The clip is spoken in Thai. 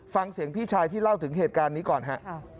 ฟังเสียงพี่ชายที่เล่าถึงเหตุการณ์นี้ก่อนฮะ